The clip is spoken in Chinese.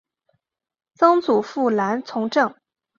曾祖父兰从政。